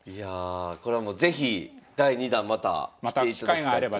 これはもう是非第２弾また来ていただきたいと。